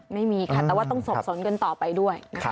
ไม่มีค่ะแต่ว่าต้องสบสนกันต่อไปด้วยนะคะ